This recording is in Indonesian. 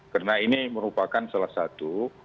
karena ini merupakan salah satu